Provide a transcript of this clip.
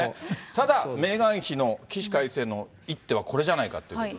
ただメーガン妃の起死回生の一手はこれじゃないかということで。